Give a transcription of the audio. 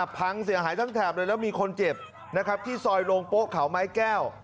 พังเสียหายทั้งแถบเลยแล้วมีคนเจ็บนะครับที่ซอยโรงโป๊ะเขาไม้แก้ว